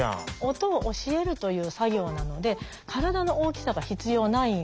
音を教えるという作業なので体の大きさは必要ないんですね。